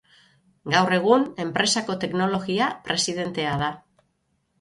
Gaur egun, enpresako teknologia presidentea da.